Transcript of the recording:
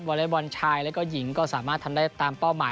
เล็กบอลชายแล้วก็หญิงก็สามารถทำได้ตามเป้าหมาย